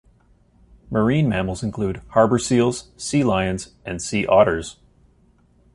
Marine mammals include harbor seals, sea lions and sea otters.